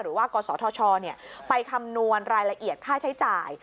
หรือว่ากษทชไปคำนวณรายละเอียดค่าใช้จ่าย